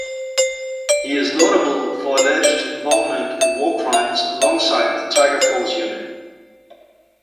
He is notable for alleged involvement in warcrimes alongside the Tiger Force unit.